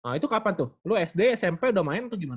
nah itu kapan tuh lo sd smp udah main atau gimana